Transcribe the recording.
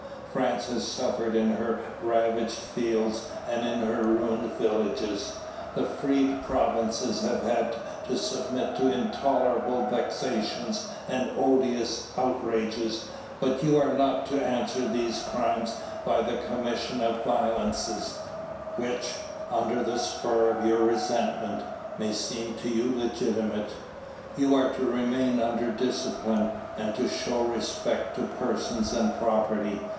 "France has suffered in her ravaged fields and in her ruined villages. The freed provinces have had to submit to intolerable vexations and odious outrages, but you are not to answer these crimes by the commission of violences, which, under the spur of your resentment, may seem to you legitimate. "You are to remain under discipline and to show respect to persons and property.